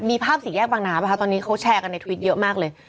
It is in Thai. มีภาพสี่แยกบางนาป่ะคะตอนนี้เขาแชร์กันในทวิตเยอะมากเลย